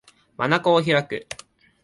眼を開く